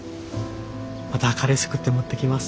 またカレー作って持ってきます。